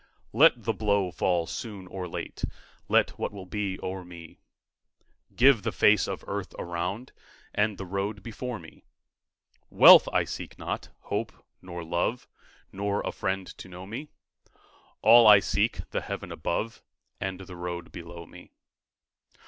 Let the blow fall soon or late, Let what will be o'er me; Give the face of earth around And the road before me. Wealth I seek not, hope nor love, Nor a friend to know me; All I seek, the heaven above And the road below me.